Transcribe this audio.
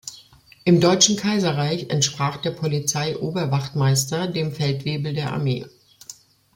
Im Deutschen Kaiserreich entsprach der Polizei-Oberwachtmeister dem Feldwebel der Armee.